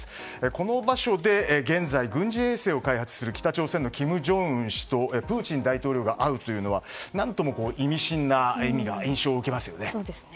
この場所で現在、軍事衛星を開発する北朝鮮の金正恩氏とプーチン大統領が会うというのは何とも意味深な印象を受けますよね。